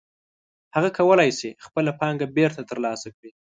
هغه کولی شي خپله پانګه بېرته ترلاسه کړي